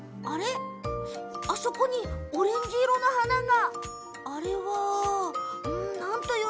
あそこにオレンジ色の花が咲いている。